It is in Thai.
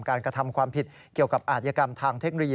กระทำความผิดเกี่ยวกับอาธิกรรมทางเทคโนโลยี